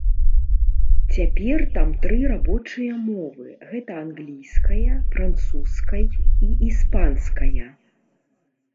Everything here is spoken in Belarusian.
Цяпер там тры рабочыя мовы, гэта англійская французскай і іспанская.